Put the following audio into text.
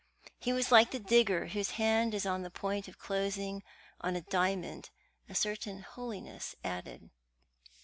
He was like the digger whose hand is on the point of closing on a diamond a certain holiness added.